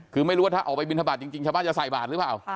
คือไม่รู้ว่าถ้าออกไปบินทบาทจริงชาวบ้านจะใส่บาทหรือเปล่า